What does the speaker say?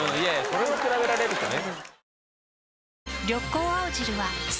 それを比べられるとね。